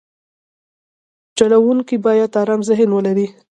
چلوونکی باید ارام ذهن ولري.